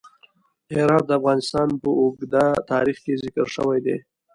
هرات د افغانستان په اوږده تاریخ کې ذکر شوی دی.